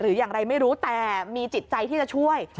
หรืออย่างไรไม่รู้แต่มีจิตใจที่จะช่วย